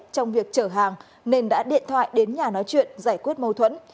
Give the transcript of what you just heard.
trong việc chở hàng nên đã điện thoại đến nhà nói chuyện giải quyết mâu thuẫn